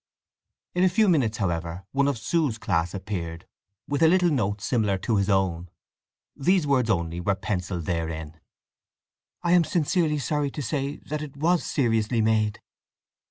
In a few minutes, however, one of Sue's class appeared, with a little note similar to his own. These words only were pencilled therein: I am sincerely sorry to say that it was seriously made.